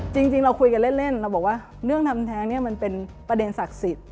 จริงเราคุยกันเล่นเราบอกว่าเรื่องทำแท้งเนี่ยมันเป็นประเด็นศักดิ์สิทธิ์